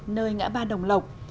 nơi ngã ba đồng lộc